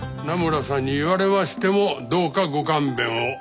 名村さんに言われましてもどうかご勘弁を。